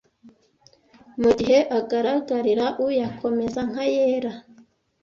mu gihe agaragarira uyakomeza nk’ayera